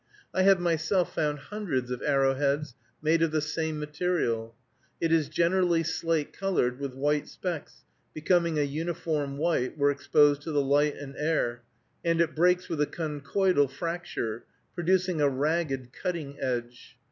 I have myself found hundreds of arrowheads made of the same material. It is generally slate colored, with white specks, becoming a uniform white where exposed to the light and air, and it breaks with a conchoidal fracture, producing a ragged cutting edge.